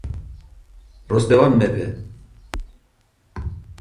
როსტევან მეფე.